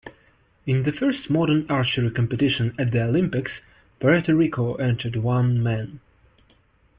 In the first modern archery competition at the Olympics, Puerto Rico entered one man.